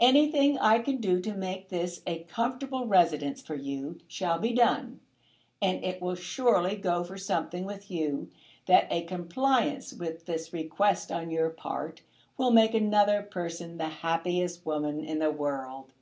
Anything I can do to make this a comfortable residence for you shall be done; and it will surely go for something with you, that a compliance with this request on your part will make another person the happiest woman in the world.